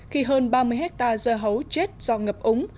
khi hơn ba mươi hectare dơ hấu chết do ngập ống